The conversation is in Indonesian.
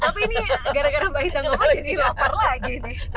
tapi ini gara gara mbak ita gak mau jadi lapar lagi nih